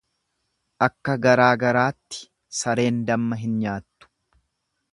Akka garaa garaatti sareen damma hin nyaattu.